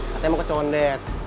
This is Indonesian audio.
katanya mau ke kondet